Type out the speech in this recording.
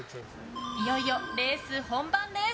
いよいよレース本番です。